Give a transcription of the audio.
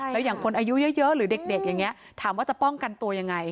แล้วอย่างคนอายุเยอะหรือเด็กอย่างนี้ถามว่าจะป้องกันตัวยังไง